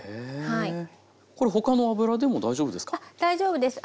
これ他の油でも大丈夫ですか？